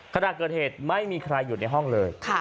ขณะเกิดเหตุไม่มีใครอยู่ในห้องเลย